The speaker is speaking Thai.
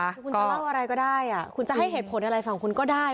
คือคุณจะเล่าอะไรก็ได้คุณจะให้เหตุผลอะไรฝั่งคุณก็ได้